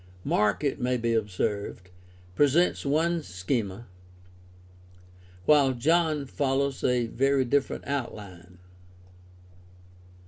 Mark, it may be observed, presents one schema, while John follows a very different outline.